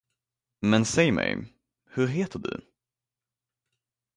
Men säg mig, hur heter du.